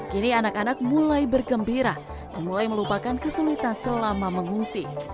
kini anak anak mulai bergembira dan mulai melupakan kesulitan selama mengungsi